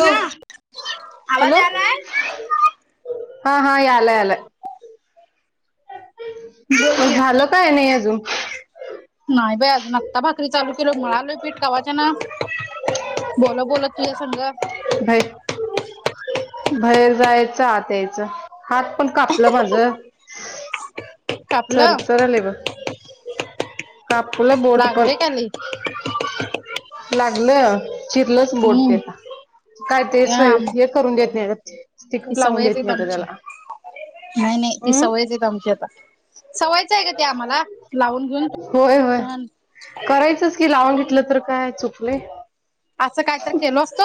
हो ना. आवाज हॅलो, आलाय हा यालाय यालाय. झालं काय नाही अजून? नाही बाई अजून आत्ता भाकरी चालू केलो मळालोय पीठ कवाच्यानं. बोलत बोलत तुझ्या संग दहा बाहेर जायचं आत यायचं हात पण कापलं माझ. [inaudible] कापलं चरचरायले बघ कापलं बोट पण लागलय का लई लागलं चिरलंच बोट ते हम्म का काय ते स आम येत. ती करून देत नाही ग ते, ती कुठ लावून सवयच देत आहेत नाहीेत आमची त्याला. नाही नाही ते सवायच हम्म आहे आमची आता सवयचं आहे का ते आम्हाला लावून घेऊन. होय होय पण करायचंच की लावून घेतलं तर काय चुकले. असं काहीतरी केलो असतो,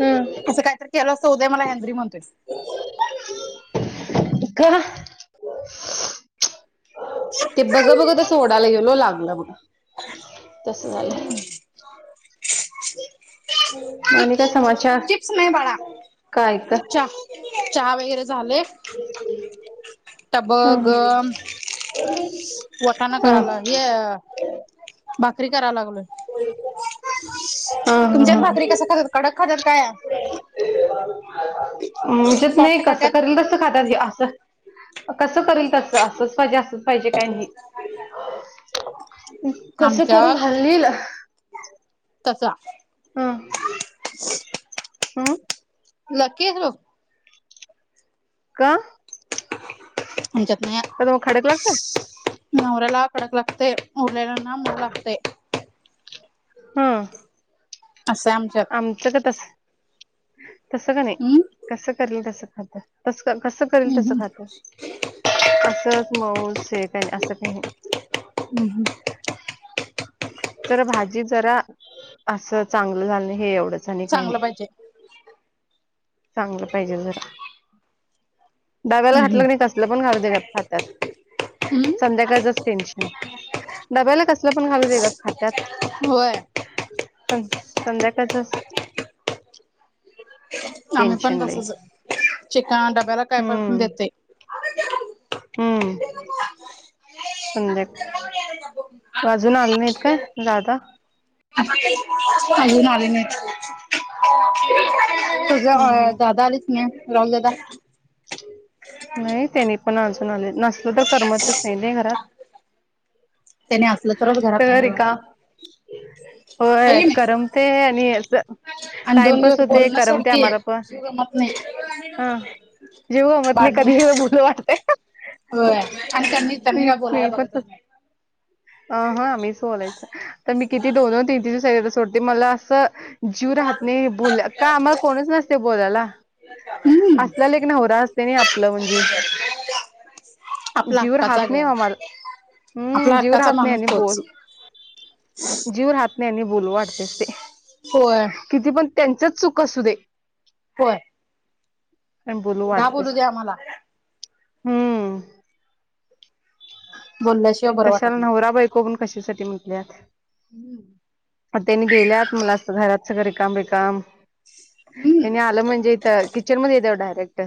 हम्म काहीतरी केल अस तो उदय मला हेंद्री म्हणतोय. [unintelligible] ते बघ बघत असं ओढायला गेलो लागलं बघा तसं झालंय. आणि काय समाचार चिप्स नाही बाळा. काय का च्या चहा वगैरे झाले? [unintelligible] आता ह बघ वटाणा ह करायलो हे भाकरी कराय लागलोय. [unintelligible] तुमच्यात ह भाकरी कसं खात्यात? कडक खात्यात काय आमच्यात सॉफ्ट नाही कसं खात्यात? करलं तसं खात्यात बाई असं. कसं करील तसं. असंच पाहिजे, असंच पाहिजे काय नाही. कसं करून आमच्यात घालील तसा हं. अं? लकी आहेस बघ. का? आमच्यात नाही तर मग खडक लागतात नवऱ्याला कडक लागतंय. उरलेल्यांना मऊ लागतंय. हा. असं आहे आमच्यात. आमचं काय तसं तसं काय नाही. हम्म कसं करलं तसं खात्यात. तस कसं करेल हम्म तसं खात्यात. असंच मऊच हे काय नाही, असं काय नाही. हम्म हम्म. जर भाजी जरा असं चांगलं झालं नाही हे एवढंच. आणि काही नाही चांगलं पाहिजे. चांगलं पाहिजे जरा. डाब्याला हम्म घातलं हम्म की नाही कसलं पण घाला त्याच्यात खात्यात. संध्याकाळचच टेन्शन डब्याला कसलं पण घालू दे गा खात्यात. हम्म होय. सं-संध्याकाळच आम्ही पण टेन्शन लई. तसच चिकन डब्याला काय पण करुन हम्म देते. हम्म. संध्या अजून आले नाहीत काय देतोय. दादा? अजून आले नाहीत. हम्म [unintelligible] हम्म दादा आलीत की नाही राहुल दादा? नाही त्यांनी पण अजून आले. नसलं तर करमतच नाही नाही घरात? त्याने असलं तरच घरात तर बर वाटतंय. रिका होय करमतय आणि असं आणि दोन टाइमपास दिवस होते बोलणं करमतय सोडकी आम्हाला पण. जीव गमत नाही हा जीव गमत नाही भांडून कधीही बोलू वाटतंय. होय आणि त्यांनी त्यांनी काय बोलायला मी पण बघतच तस नाहीत. अ हं मी बोलायचं तर मी किती दोन दोन तीन तीन दिवस [unintelligible] सोडते. मला असं जीव राहत नाही. बोल काम आम्हाला कोणच नसतंय बोलायला. हम्म असल्याला एक नवरा असतोय नाही आपलं म्हणजे. आपला जीव हक्काचा रहात नाही ग आम्हाला हम्म. आपला जीव हक्काचा रहात नाही माणूस आणि तोच बोल जीव रहात नाही आणि बोलू वाटतयच ते. होय. किती पण त्यांचच चूक असू दे होय. णि बोलू दहा वाटतेस दे आम्हाला हम्म. बोलल्या कशाला नवरा बायको म्हणून कशासाठी म्हंटल्यात. हम्म. रत त्यांनी गेल्यात मला असं घरात सगळं रिकाम रिकाम हम्म त्यांनी आलं म्हणजे इथं किचनमध्ये येत्यात ओ डायरेक्ट.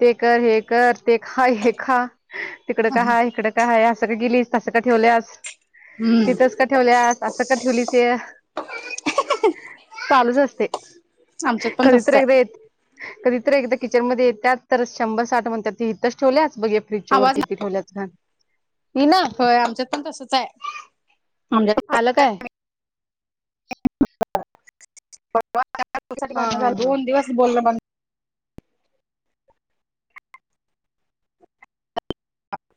ते कर, हे कर ते खा हे खा तिकडं काय हाय इकडं काय हाय असं का गेलीस तसं का ठेवल्यास? हम्म. तिथंच का ठेवल्यास असं का ठेवलीच य. चालूच असते आमच्यात पण कधी तर तसच एकदा आहे येत. कधीतरी एकदा किचनमध्ये येत्यात, तर शंभर साठ म्हणतात ती तच ठेवल्याच बघ या फ्रीजच्या वर आवाज किती ठेवल्यास घाण ईना होय आमच्यात पण तसच आहे आमच्यात. आलं काय? परवा [unintelligible] हा भांडण हा झालं हा दोन दिवस बोलण बंद.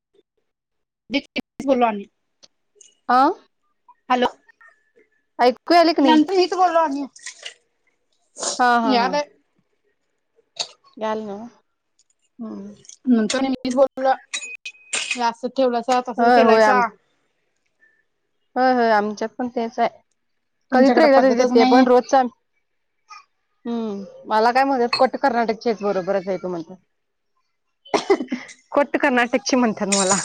[unintelligible] तेच बोललो आणि. आ? हॅलो. ऐक नंतर मीच बोललो आणि. हा हा हा. झालं न्हव? हम्म. नंतर मीच बोललो हे असं ठेवलायलासा तसंच होय आम केेलायसा. होय होय आमच्यात पण तेच आहे. तुमच्याकडे कधीत्र य पद्धतच ते नाही पण रोजचा. हम्म मला काय म्हत कोट कर्नाटक चेच बरोबरच आहे तू म्हणत. कोट कर्नाटकची म्हणत्यात मला.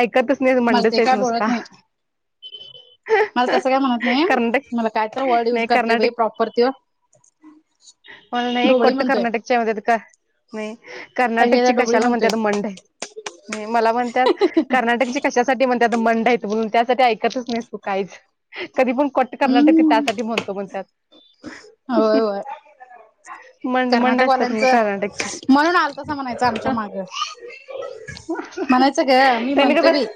ऐकतच नाहीत मला मंडच ते आहेच काय बोलत नुसता. नाही मला तसं काय म्हणत नाही कर्नाटक मला काय तर वर्ड युज नाही करते बा कर्नाटक प्रॉपर त्यो मला नाही ढोबळी कोट म्हणतोय कर्नाट चममध्येत का. नाही एकेकदा कर्नाटकची ढोबळी कशाला म्हणते म्हणतोय आता मंड आहे. नाही मला म्हणत कर्नाटकची कशासाठी म्हणत आ मंड आहेत म्हणून त्यासाठी ऐक कतच नाहीस तू कायीच, कधी पण कोट कर्नाटक हम्म त्यासाठी म्हणतो म्हणतात हं. होय होय मंड मंड असत्यात मग कर्नाटकवाल्यांचं कर्नाटकची. म्हणून आलतासा म्हणायचं आमच्या माग म्हणायचं ग मी त्यानेक ब. म्हणतोय बाई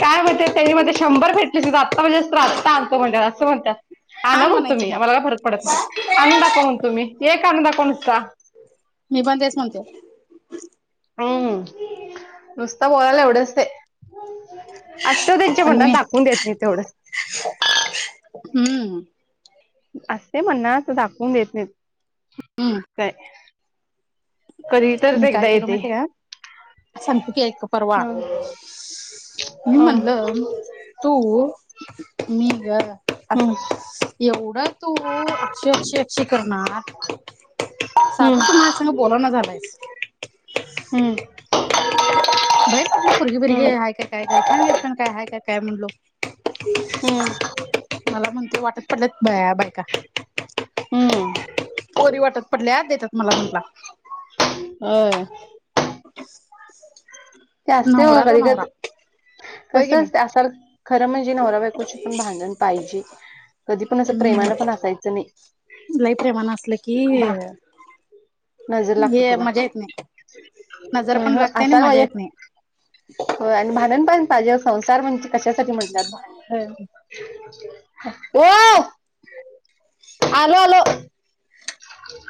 काय म्हणतात त्यांनी म शंभर भेटले आत्ता म्हणजे असत आत्ता आणतो म्हणज असं म्हणतात. आणा आण म्हणतो म्हणायचं मी. मग. मला काय फरक पडत नाही. म्हणून दाखवा म्हणतो मी एक आणून दाखवा नुसता. मी पण तेच म्हणतोय. हम्म नुसत बोलायला एवढंच ते. असत त्यांच्या पण म्हणना मी दाखवून देत नाही तेवढं. हम्म. असते म्हणना तर दाखवून देत नाही. हम्म. काय? कधी तरच एकदा येतंय. सांगते की ऐक परवा. मी हं, म्हणलं तू मी ग. असं हं, एवढं तू अक्षय अक्षय अक्षय करणार. साध हं, तू माझ सांग बोलणा झालायस. हं, बाहेर कुठली पर्गी बिरगी हं, आहे काय काय गर्ल फोन घेतपण काय हाय काय काय म्हणलो. [unintelligible] मला म्हणते वाटत पडल्यात [unintelligible] बायका. हं. पोरी वाटत पडल्यात, देतात मला म्हंटला. होय [inaudible] ते असतंय हो नवरा तो नवरा कधीतर, होय की कसं नाही. असतं असल खरं म्हणजे नवरा बायकोची ही भांडण पाहिजे. कधी पण असं प्रेमानं पण असायचं नाही. लय प्रेमानं असलं की भा हेग नजर लागत्या त्याला. येत नाही नजर अं पण हं लागते आणि असाल मजा येत [unintelligible] नाही हो आणि भांडणपण पाहिजे ओ संसार म्हणजे कशासाठी म्हटल्यात? हम्म. [inaudible] आलो आलो.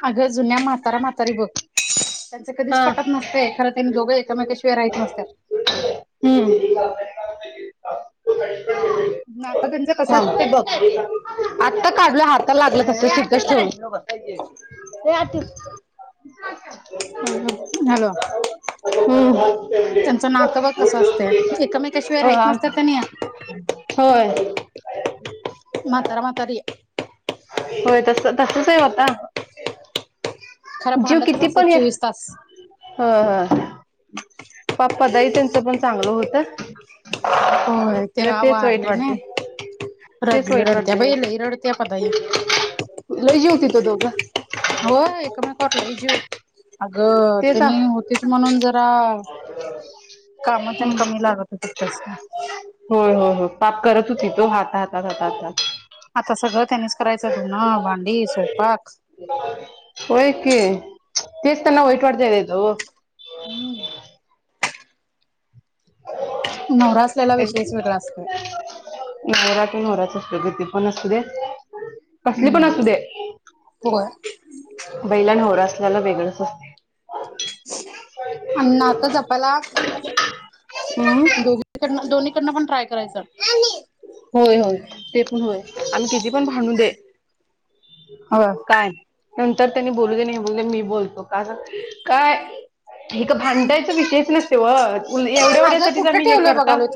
अगं जुन्या म्हातारा मातारी बघ, त्यांच हा कधीच पटत नसते खरं त्यांनी दोघं एकामेका शिवाय राहीत नसत्यात. हम्म. ह नातं त्यांचं कसं असते बघ आत्ता काढलं हाताला लागलं तसं तिथंच ठेवलो. ये आत ये. हा हा. हॅलो. त्यांचं नातं बघ कसं असतंय, एकमेकाशिवाय हो, राहत आम- नसत्यात त्यांनी. होय. म्हातारा म्हातारी आहे. होय तसं तसच आहे होता. खरं जीव भांडतच किती पण असतात एक चोवीस तास हा हा पाप्पा दही त्यांचं पण चांगलं होतं. होय एकदा तेव्हा तेच वाईट वारले ना, वाटते तेच रडले वाईट रडत्या वाटते लई रडत्या पदाई. लई जिऊ तिथं दोघं. होय. कोणाकड लय जीऊ? अगं ते सांग त्यांनी होतेच म्हणून जरा काम तेन कमी लागत होती त्यास्नी. होय हो हो, पाप करत होतीत ओ हात हातात हातातात. आता सगळं त्यांनीच करायचं धुनं, भांडी, स्वयंपाक. होय की तीसताना वईट वातयेतो. हम्म. नवरा असलेला विशेष वेगळा असतं. नवरा तो नवराच असतोय गं. तीपण असू दे, कसली पण हम्म असू दे. होय. बाईला नवरा असल्याला वेगळंच असतंय. आणि नातं जपायला अं. इकडंनं दोनहीकडनं पण ट्राय करायचं. होय होय ते पण होय, आम्ही किती पण भांडूदे अ. काय नंतर त्यांनी बोलूदे, नाही बोलूदे मी बोलतो. का काय हे क भांडायचा विषयच नसते व. एवढ्या-एवढ्या अगं साठीच कुठं आम्ही हे ठेवलंय करता. बघालोय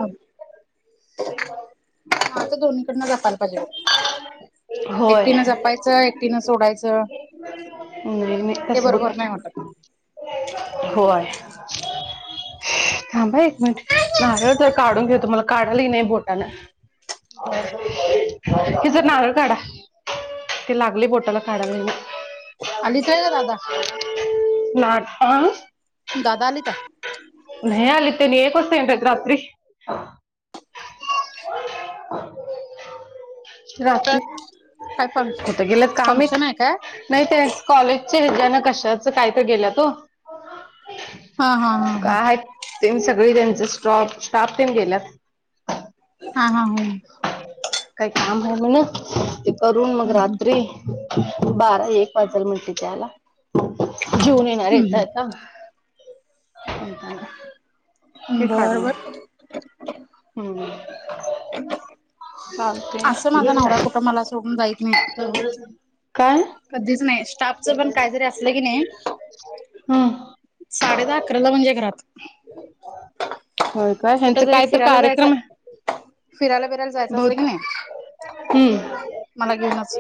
नातं दोन्हीकडनं जपायला [unintelligible] होय एकटीनं जपायचं एकटीनं सोडायचं. नाही नाही ते तसं बरोबर नाही वाटत होतं. होय. थांब आ एक मिनिट नारळ तर काढून घेतो मला काढायला येईना या बोटानं. बर बर. हे जरा नारळ काढा. ते लागलंय बोटाला काढायला येईना. आलीत होय ग दादा नाट आ. दादा आले का? नाही आले तेनी एक वाजता येणार आहेत रात्री. रात्री काय फंक् कुठं गेल्यात काय माहित. फंक्शन आहे काय नाही ते कॉलेजचे हेज्यान कशाच काय तर गेल्यात ओ. हा हा हा काय आहेत ते सगळे त्यांच स्टॉफ स्टाफ तेन गेल्यात. हा हा हा. काही काम हाय म्हण ते करून मग ह रात्री बारा एक वाजल म्हटलीत यायला. जेवून येणार येता हम् येता. म्हणताना हे बर काढून द्या बर हम्म. चालतय. असं माझा नवरा कुठं मला सोडून जाईत नाही. काय? कधीच नाही स्टाफचं पण काय जरी असलं की नाही हम्म. साडे दहा अकराला म्हणजे घरात. होय काय ह्यांचं कुठतरी काय तर फिरायला कार्यक्रम आहे जायचं. फिरायला बिरायला जायचं असल बहुत की नाही हम्म मला घेऊनच.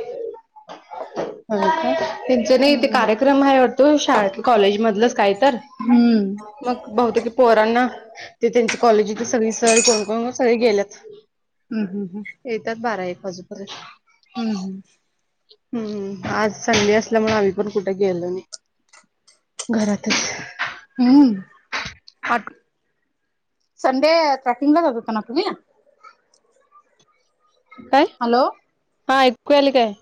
होय का? त्यांच नाही ते हम्म कार्यक्रम हाय वाटत ओ शाळेतलं कॉलेजमधलंच काय तर. हम्म. मग बहुतेक की पोरांना ते त्यांचे कॉलेजची सगळी सर कोण कोण सगळे गेल्यात. हम्म हम्म हम्म. येत्यात बारा एक वाजूपर्यंत. हम्म हं. हम्म आज चांगली असल्यामुळं आम्ही पण कुठं गेलो नाही. घरातचं. हम्म. आठ. संडे ट्रॅकिंगला जात होता ना तुम्ही? काय? हॅलो. हा ऐकू यायलयं काय?